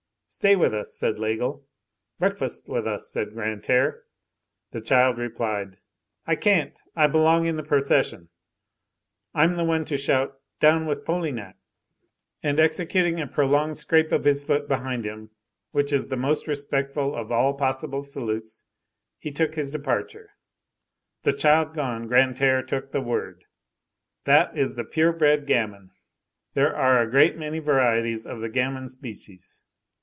"Stay with us," said Laigle. "Breakfast with us," said Grantaire. The child replied:— "I can't, I belong in the procession, I'm the one to shout 'Down with Polignac!'" And executing a prolonged scrape of his foot behind him, which is the most respectful of all possible salutes, he took his departure. The child gone, Grantaire took the word:— "That is the pure bred gamin. There are a great many varieties of the gamin species.